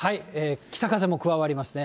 北風も加わりますね。